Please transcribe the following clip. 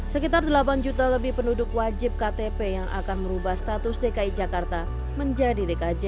sekitar delapan juta lebih penduduk wajib ktp yang akan merubah status dki jakarta menjadi dkj